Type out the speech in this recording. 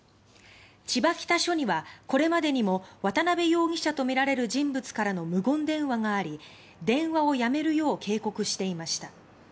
千葉北署には、これまでにも渡邉容疑者とみられる人物からの無言電話があり電話をやめるよう警告していました。